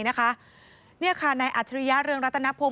ในอาจารยาเรื่องรัฐนาภง